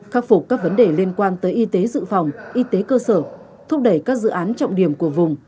khắc phục các vấn đề liên quan tới y tế dự phòng y tế cơ sở thúc đẩy các dự án trọng điểm của vùng